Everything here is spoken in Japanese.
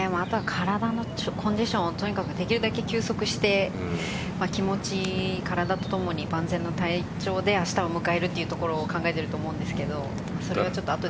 体のコンディションをとにかく、できるだけ休息して気持ち、体とともに万全の体調で明日を迎えるということを考えていると思うんです。